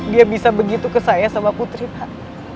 dia bisa begitu ke saya sama putri pak